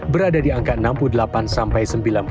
berada di angka enam puluh delapan sampai sembilan belas